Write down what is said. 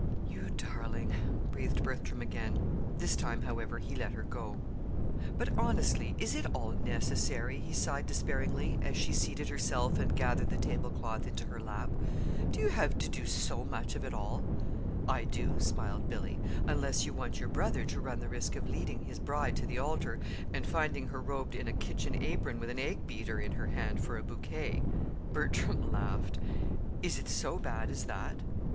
"You darling!" breathed Bertram again; this time, however, he let her go. "But, honestly, is it all necessary?" he sighed despairingly, as she seated herself and gathered the table cloth into her lap. "Do you have to do so much of it all?" "I do," smiled Billy, "unless you want your brother to run the risk of leading his bride to the altar and finding her robed in a kitchen apron with an egg beater in her hand for a bouquet." Bertram laughed. "Is it so bad as that?"